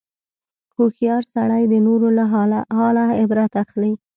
هوښیار سړی د نورو له حاله عبرت اخلي.